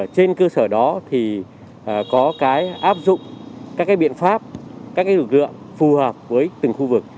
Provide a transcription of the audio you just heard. trên cơ sở đó có áp dụng các biện pháp các lực lượng phù hợp với từng khu vực